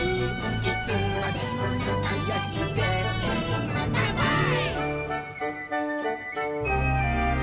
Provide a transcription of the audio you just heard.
「いつまでもなかよしせーのかんぱーい！！」